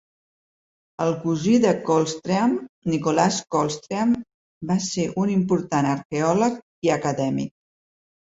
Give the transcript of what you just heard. El cosí de Coldstream, Nicolas Coldstream, va ser un important arqueòleg i acadèmic.